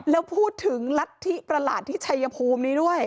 แล้วพูดถึงลัทธิประหลาดที่ชัยภูมินี้ด้วย